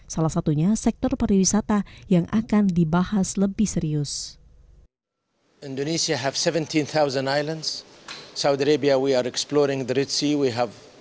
selain itu raja salman juga mengungkapkan peluang lainnya